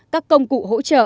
các công cụ hỗ trợ